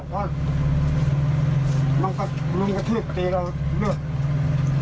หวัดดี